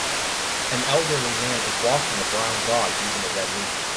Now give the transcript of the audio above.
an elderly man is walking a brown dog using a red leash.